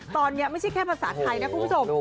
ตอนนี้ไม่ใช่แค่ภาษาไทยนะคุณผู้ชม